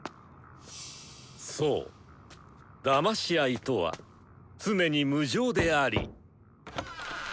そうだまし合いとは常に無情であり。